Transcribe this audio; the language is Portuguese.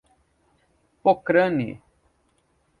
Pocrane